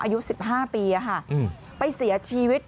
อายุ๑๕ปีไปเสียชีวิต